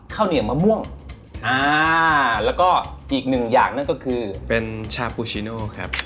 เหนียวมะม่วงอ่าแล้วก็อีกหนึ่งอย่างนั่นก็คือเป็นชาปูชิโนครับ